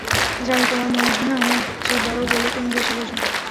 জানি তোমার মনে হয়, আমার চেয়ে বড়ো বলে তুমি বেশি বোঝো।